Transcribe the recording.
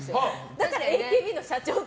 だからＡＫＢの社長って。